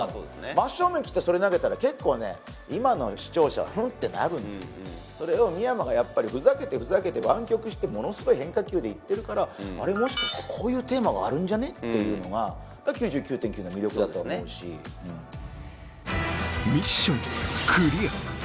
真っ正面きってそれ投げたら結構今の視聴者はフンってなるそれを深山がやっぱりふざけてふざけて湾曲してものすごい変化球でいってるからあれもしかしてこういうテーマがあるんじゃね？っていうのが「９９．９」の魅力だと思うしミッションクリア